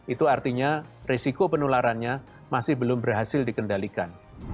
itu artinya risiko penularannya masih belum berhasil dikendalikan